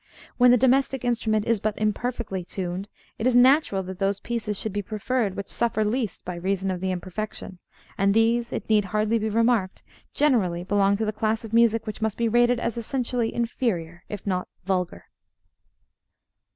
When the domestic instrument is but imperfectly tuned, it is natural that those pieces should be preferred which suffer least by reason of the imperfection, and these, it need hardly be remarked, generally belong to the class of music which must be rated as essentially inferior, if not vulgar.